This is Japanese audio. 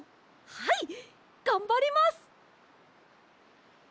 はいがんばります！